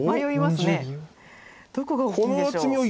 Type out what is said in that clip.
どこが大きいんでしょう。